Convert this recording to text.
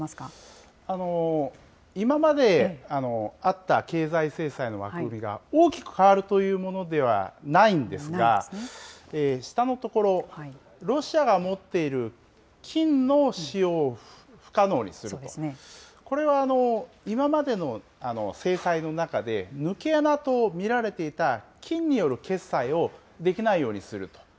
今まであった経済制裁の枠組みが大きく変わるというものではないんですが、下のところ、ロシアが持っている金の使用を不可能にすると、これは今までの制裁の中で抜け穴と見られていた金による決済をできないようにすると。